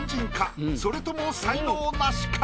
それとも才能ナシか？